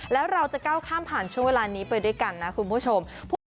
แล้วเราจะก้าวข้ามผ่านช่วงเวลานี้ไปด้วยกันนะคุณผู้ชม